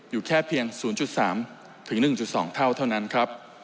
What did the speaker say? อยู่แค่เพียง๐๓๑๒เท่าเท่านั้นครับ